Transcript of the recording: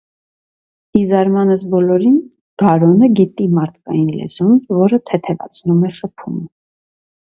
Ի զարմանս բոլորին, Գարոնը գիտի մարդկային լեզուն, որը թեթևացնում է շփումը։